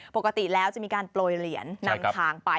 ปกติแล้วจะมีการโปรยเหรียญนำทางไป